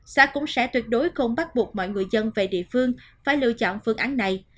xã cũng sẽ tuyệt đối không bắt buộc mọi người dân về địa phương phải lựa chọn phương án này